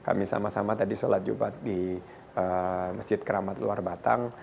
kami sama sama tadi sholat jumat di masjid keramat luar batang